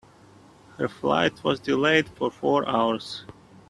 Her flight was delayed for four hours.